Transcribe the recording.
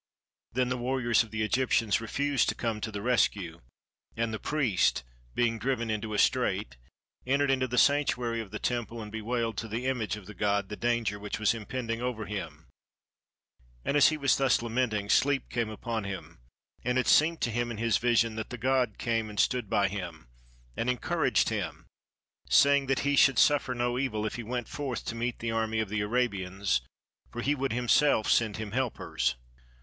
Then the warriors of the Egyptians refused to come to the rescue, and the priest, being driven into a strait, entered into the sanctuary of the temple and bewailed to the image of the god the danger which was impending over him; and as he was thus lamenting, sleep came upon him, and it seemed to him in his vision that the god came and stood by him and encouraged him, saying that he should suffer no evil if he went forth to meet the army of the Arabians; for he would himself send him helpers.